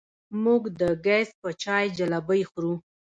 موږ د ګیځ په چای جلبۍ خورو.